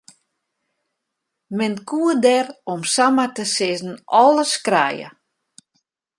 Men koe der om samar te sizzen alles krije.